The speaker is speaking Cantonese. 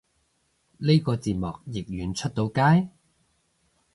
呢個字幕譯完出到街？